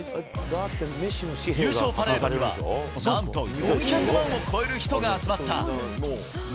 優勝パレードには、なんと４００万を超える人が集まった。